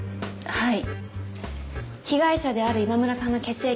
はい。